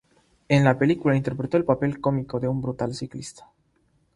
En la película interpretó el papel cómico de un brutal ciclista.